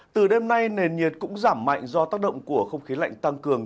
từ đêm nay nền nhiệt cũng giảm mạnh do tác động của không khí lạnh tăng cường